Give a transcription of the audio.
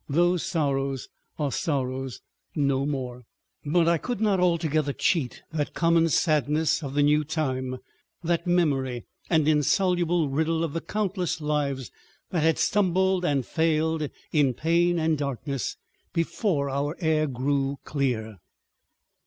"Those sorrows are sorrows no more." But I could not altogether cheat that common sadness of the new time, that memory, and insoluble riddle of the countless lives that had stumbled and failed in pain and darkness before our air grew clear.